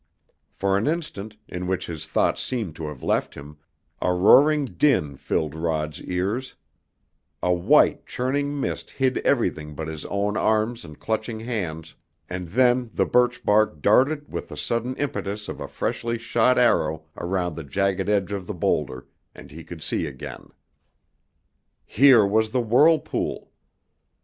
For an instant, in which his thoughts seemed to have left him, a roaring din filled Rod's ears; a white, churning mist hid everything but his own arms and clutching hands, and then the birch bark darted with the sudden impetus of a freshly shot arrow around the jagged edge of the boulder and he could see again. Here was the whirlpool!